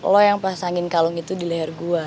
lo yang pasangin kalung itu di leher gue